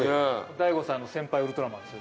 ＤＡＩＧＯさんの先輩ウルトラマンですよ。